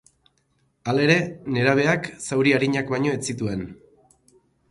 Halere, nerabeak zauri arinak baino ez zituen.